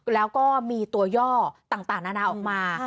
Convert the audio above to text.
แล้วก็มีตัวย่อต่างนานาออกมา